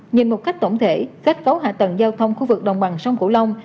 nhìn một cách tổng thể cách cấu hạ tầng giao thông khu vực đồng bằng sông cổ long